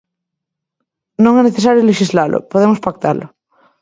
Non é necesario lexislalo, podemos pactalo.